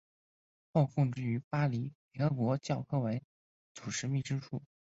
后供职于巴黎联合国教科文组织秘书处。